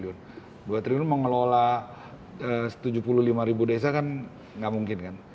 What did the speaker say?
dua triliun mengelola tujuh puluh lima ribu desa kan nggak mungkin kan